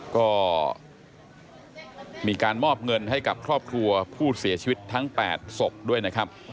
ก็มีการมอบเงินให้กับครอบครัวผู้เสียชีวิตทั้ง๘ศพด้วยนะครับ